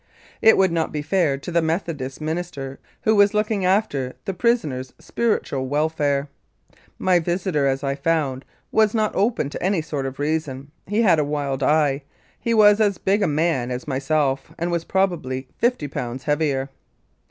It would not be fair to the Methodist minister who was looking after the prisoner's spiritual welfare. My visitor, as I found, was not open to any sort of reason ; he had a wild eye ; he was as big a man as myself, and was probably fifty pounds heavier.